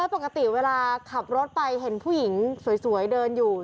ปกติเวลาขับรถไปเห็นผู้หญิงสวยเดินอยู่